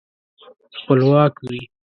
خپلواک وي.